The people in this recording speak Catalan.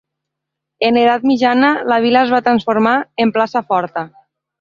En l'edat mitjana, la vila es va transformar en plaça forta.